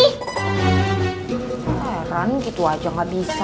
heran gitu aja gak bisa